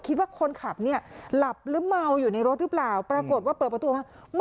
คิดว่าคนขับเนี่ยหลับหรือเมาอยู่ในรถหรือเปล่าปรากฏว่าเปิดประตูมา